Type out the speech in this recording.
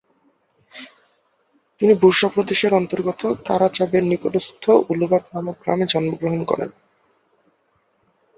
তিনি বুরসা প্রদেশের অন্তর্গত কারাচাবের নিকটস্থ উলুবাত নামক গ্রামে জন্মগ্রহণ করেন।